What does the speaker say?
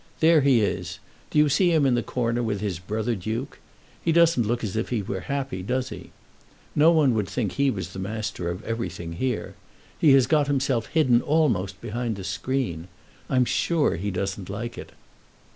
There he is. Do you see him in the corner with his brother duke? He doesn't look as if he were happy; does he? No one would think he was the master of everything here. He has got himself hidden almost behind the screen. I'm sure he doesn't like it."